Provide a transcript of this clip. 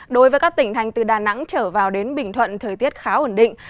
đối với các tỉnh thành từ đà nẵng trở vào đến bình thuận thời tiết khá ổn định